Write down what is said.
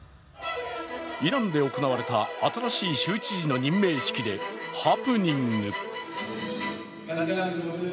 イランで行われた新しい州知事の任命式でハプニング。